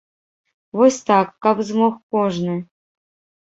Вось так, каб змог кожны?